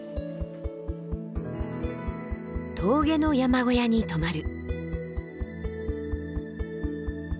峠の山小屋に泊まる。